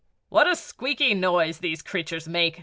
"What a squeaky noise these creatures make!"